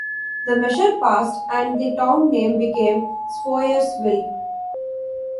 The measure passed and the town name became Swoyersville.